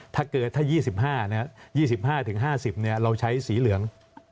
ถ้าเกิดถ้า๒๕๒๕๕๐เราใช้สีเหลือง